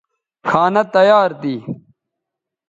کھانہ تیار تھی